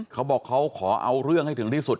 เขาบอกเขาขอเอาเรื่องให้ถึงที่สุด